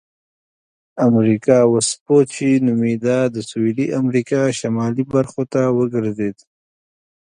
امریکا وسپوچې نومیده د سویلي امریکا شمالي برخو ته وګرځېد.